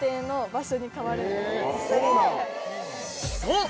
そう！